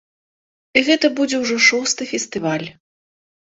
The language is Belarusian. І гэта будзе ўжо шосты фестываль.